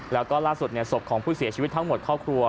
แล้วก็ล่าสุดศพของผู้เสียชีวิตทั้งหมดครอบครัว